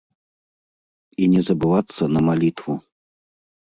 І не забывацца на малітву.